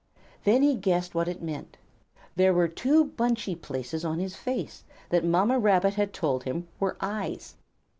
Then he guessed what it meant. There were two bunchy places on his face, that Mamma Rabbit had told him were eyes.